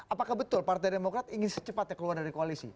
apakah betul partai demokrat ingin secepatnya keluar dari koalisi